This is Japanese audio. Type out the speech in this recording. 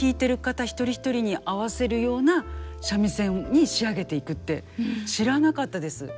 一人一人に合わせるような三味線に仕上げていくって知らなかったです。